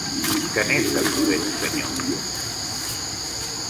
Que n'és de prudent, senyor!